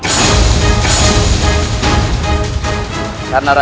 dan rakyat sudah berharap